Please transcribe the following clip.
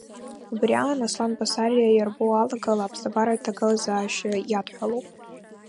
Убри аан, Аслан Басариа иарбоу алагала аԥсабаратә ҭагылазашьа иадҳәалоуп.